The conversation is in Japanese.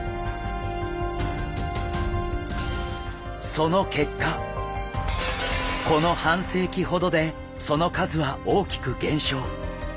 その結果この半世紀ほどでその数は大きく減少。